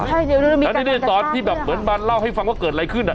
ใช่เดี๋ยวมีกำลังกับทราบด้วยค่ะแล้วนี่ตอนที่แบบเหมือนบ้านเล่าให้ฟังว่าเกิดอะไรขึ้นอะ